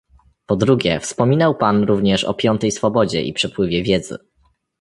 Po drugie, wspominał pan również o piątej swobodzie i przepływie wiedzy